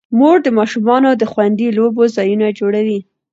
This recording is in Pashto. مور د ماشومانو د خوندي لوبو ځایونه جوړوي.